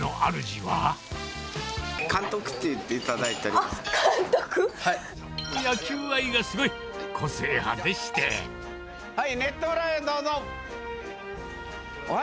はい、ネット裏へどうぞ。